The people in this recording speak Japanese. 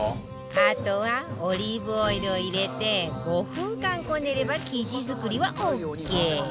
あとはオリーブオイルを入れて５分間こねれば生地作りはオーケー